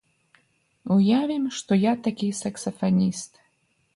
Уявім, што я такі саксафаніст.